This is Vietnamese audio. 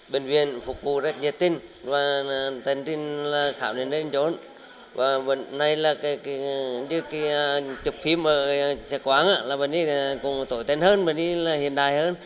bệnh viện phục vụ rất nhiệt tình